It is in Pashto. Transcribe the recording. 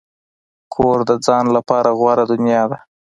کور د ځان لپاره غوره دنیا ده.